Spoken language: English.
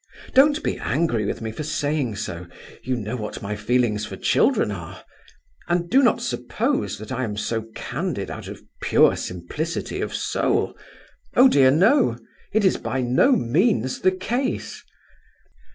Don't be angry with me for saying so; you know what my feelings for children are. And do not suppose that I am so candid out of pure simplicity of soul. Oh dear no, it is by no means the case!